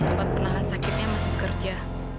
tempat penahan sakitnya masih bekerja